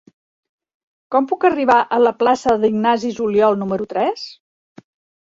Com puc arribar a la plaça d'Ignasi Juliol número tres?